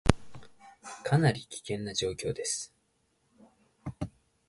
かなり危険な状況です